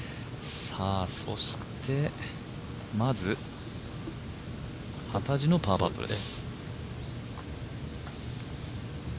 そしてまず幡地のパーパットです。